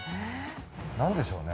何でしょうね。